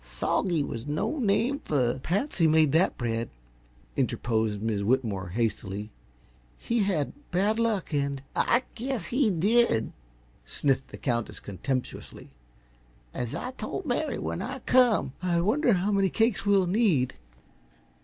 Soggy was no name for " "Patsy made that bread," interposed Miss Whitmore, hastily. "He had bad luck, and " "I guess he did!" sniffed the Countess, contemptuously. "As I told Mary when I come " "I wonder how many cakes we'll need?"